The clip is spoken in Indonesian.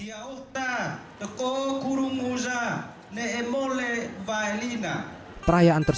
perayaan tersebut menjadi momentum untuk mengenang dan menghormati para leluhur secara istimewa